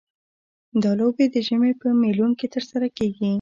دا لوبې د ژمي په میلوں کې ترسره کیږي